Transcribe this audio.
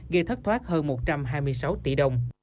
gây thất thoát hơn một trăm hai mươi sáu tỷ đồng